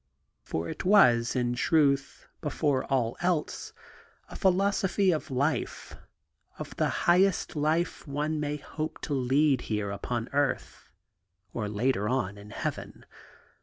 For it was, in truth, before all else, a philosophy of life, of the highest life one may hope to lead here upon earth, or later on in heaven.